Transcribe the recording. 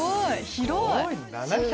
広い。